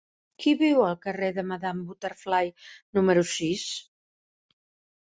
Qui viu al carrer de Madame Butterfly número sis?